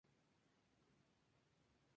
Este se sorprendió y le preguntó por la razón.